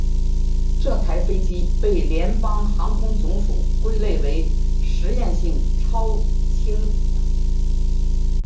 这台飞机被联邦航空总署归类为实验性超轻量飞机。